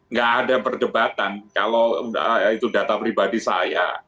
nggak ada perdebatan kalau itu data pribadi saya